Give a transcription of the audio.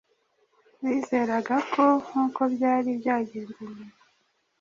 Bizeraga ko nk’uko byari byagenze mbere,